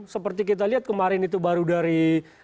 seperti kita lihat kemarin itu baru dari